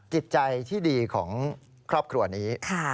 จิตใจที่ดีของครอบครัวนี้